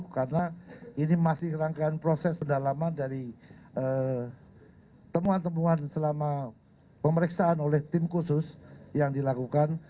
karena ini masih rangkaian proses pendalaman dari temuan temuan selama pemeriksaan oleh tim khusus yang dilakukan